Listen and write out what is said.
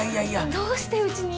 どうしてうちに？